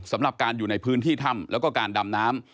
สำหรับการอยู่ในพื้นที่ถ้ำแล้วก็การดำน้ำ